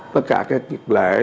tất cả các dịp lễ